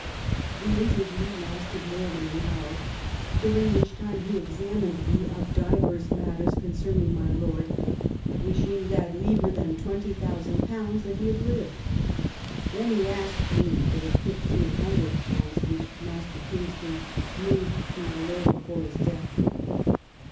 The interview lasted more than an hour, "during which time he examined me of divers matters concerning my lord, wishing that liever than twenty thousand pounds that he had lived. Then he asked me for the fifteen hundred pounds which Master Kingston moved to my lord before his death."